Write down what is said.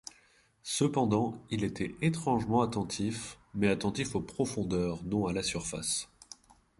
Cependant il était étrangement attentif, mais attentif aux profondeurs, non à la surface.